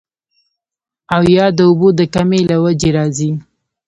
او يا د اوبو د کمۍ له وجې راځي